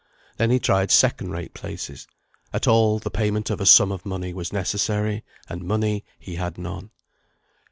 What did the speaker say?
Then he tried second rate places; at all the payment of a sum of money was necessary, and money he had none.